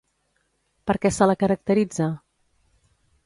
Per què se la caracteritza?